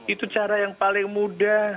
itu cara yang paling mudah